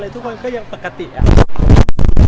ทุกคนก็ยังปกติเป็นเพื่อนกันอะไรอย่างนี้